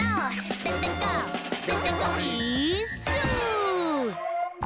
「デテコデテコイーッス」